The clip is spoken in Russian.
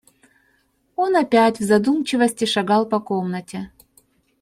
Он опять в задумчивости шагал по комнате.